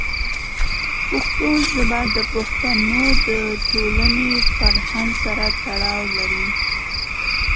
پښتو ژبه د پښتنو د ټولنې فرهنګ سره تړاو لري.